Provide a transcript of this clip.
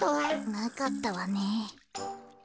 なかったわね。